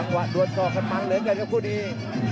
กองหวัดดวงซอกระมังเหลืองั้นกับผู้ดี